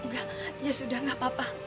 enggak ya sudah gak apa apa